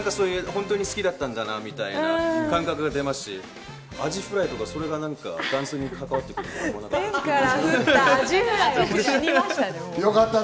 本当に好きだったんだなみたいな感覚が出ますし、アジフライとかそれがダンスに関わってくると思わなかった。